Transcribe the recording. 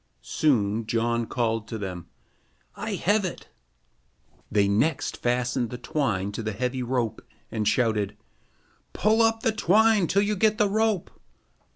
Soon John called to them: "I have it." They next fastened the twine to the heavy rope and shouted: "Pull up the twine till you get the rope."